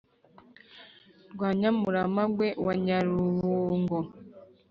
bya nyamuramagwe wa nyarubungo,